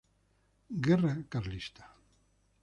Guerra Carlista.